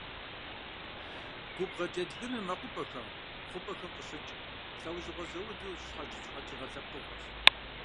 Губгъуэ джэдгынр мэкъупӏэхэм, хъупӏэхэм къыщыкӏ, лӏэужьыгъуэ заулу зэщхьэщыкӏ къэкӏыгъэ лъэпкъыгъуэщ.